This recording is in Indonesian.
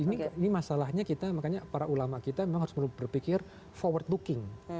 ini masalahnya kita makanya para ulama kita memang harus berpikir forward looking